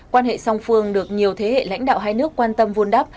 quan hệ song phương được nhiều thế hệ lãnh đạo hai nước quan tâm vun đắp